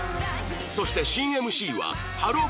そして新 ＭＣ はハロー！